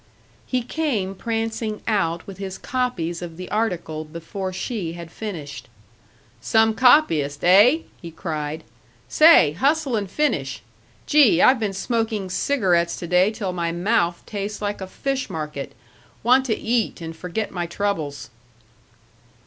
He came prancing out with his copies of the article before she had finished. "Some copyist, eh?" he cried. "Say, hustle and finish. Gee! I've been smoking cigarettes to day till my mouth tastes like a fish market. Want to eat and forget my troubles."